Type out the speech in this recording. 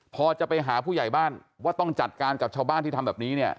พอจะไปหาผู้ใหญ่บ้านว่าต้องจัดการกับชาวบ้านที่ทำแบบนี้เนี่ย